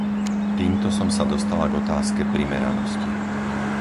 Týmto som sa dostala k otázke primeranosti.